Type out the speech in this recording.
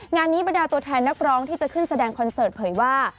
งานนี้บรรดาตัวแทนนักร้องที่จะขึ้นแสดงคอนเสิร์ตเผยว่า